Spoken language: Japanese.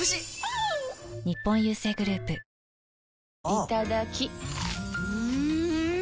いただきっ！